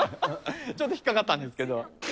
ちょっと引っ掛かったんですけど。